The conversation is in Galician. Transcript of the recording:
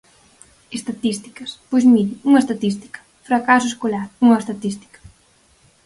Estatísticas, pois mire, unha estatística: fracaso escolar, unha estatística.